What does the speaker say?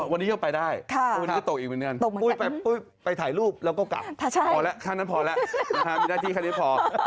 วันนี้ก็ไปได้วันนี้ก็ตกอีกเหมือนกันไปถ่ายรูปแล้วก็กลับพอแล้วท่านนั้นพอแล้วมีหน้าที่แค่นี้พอ